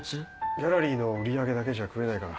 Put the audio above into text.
ギャラリーの売り上げだけじゃ食えないから。